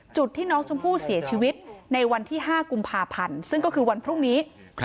จุดที่น้องชมพู่เสียชีวิตในวันที่๕กุมภาพันธ์ซึ่งก็คือวันพรุ่งนี้